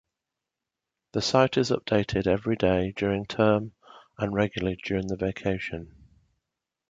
The site is updated every day during term and regularly during the vacation.